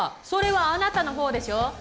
それはあなたのほうでしょ？